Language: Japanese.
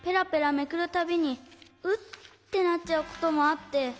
めくるたびにウッてなっちゃうこともあって。